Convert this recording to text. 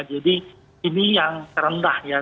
jadi ini yang terendah ya